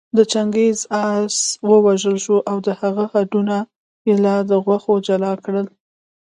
د چنګېز آس ووژل شو او د هغه هډونه يې له غوښو جلا کړل